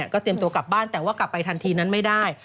ก็เตรียมตัวกลับบ้านแต่ว่ากลับไปทันทีนั้นไม่ได้